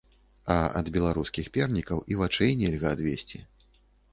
А ад беларускіх пернікаў і вачэй нельга адвесці.